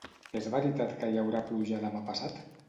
És veritat que hi haurà pluja demà passat?